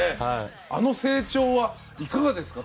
あの成長はいかがですか？